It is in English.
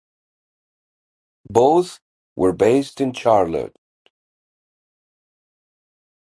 Both were based in Charlotte.